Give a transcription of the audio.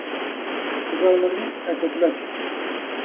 Co Real Madrid e co Atlético.